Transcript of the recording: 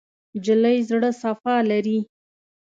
نجلۍ زړه صفا لري.